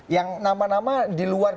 yang nama nama di luar